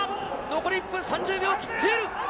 残り１分３０秒を切っている。